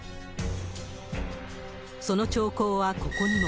その兆候はここにも。